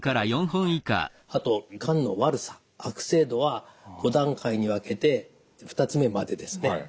あとがんの悪さ悪性度は５段階に分けて２つ目までですね。